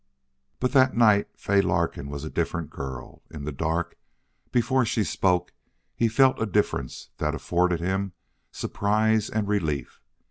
But that night Fay Larkin was a different girl. In the dark, before she spoke, he felt a difference that afforded him surprise and relief.